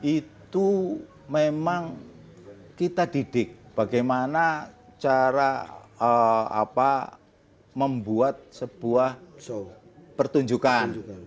itu memang kita didik bagaimana cara membuat sebuah pertunjukan